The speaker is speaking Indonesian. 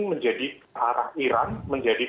menjadi arah iran menjadi